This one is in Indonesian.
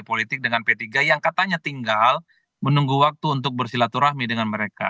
politik dengan p tiga yang katanya tinggal menunggu waktu untuk bersilaturahmi dengan mereka